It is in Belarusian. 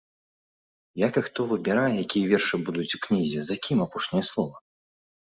Як і хто выбірае, якія вершы будуць у кнізе, за кім апошняе слова?